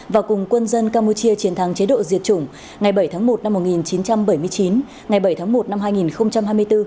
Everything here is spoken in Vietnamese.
và cùng quân dân campuchia chiến thắng chế độ diệt chủng ngày bảy tháng một năm một nghìn chín trăm bảy mươi chín ngày bảy tháng một năm hai nghìn hai mươi bốn